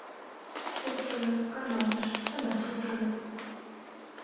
Шупшыльо, каналтыш, адак шупшыльо.